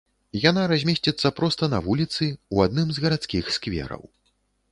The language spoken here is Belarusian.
Яна размесціцца проста на вуліцы, у адным з гарадскіх сквераў.